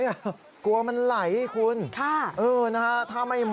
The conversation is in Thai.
มัดติดกับเสาบ้านมันเอามีเครื่องมาไหม